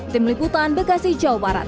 tim liputan bekasi jawa barat